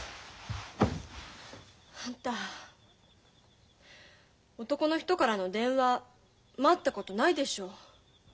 あんた男の人からの電話待ったことないでしょう。